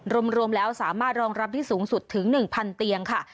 รวมแล้วสามารถรองรับได้สูงสุดถึง๑๐๐เตียงค่ะ